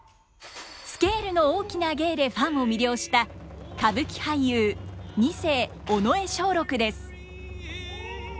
スケールの大きな芸でファンを魅了した歌舞伎俳優二世尾上松緑です。